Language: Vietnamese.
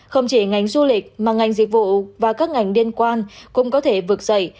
không chỉ ngành du lịch mà ngành dịch vụ và các ngành liên quan cũng có thể vực dậy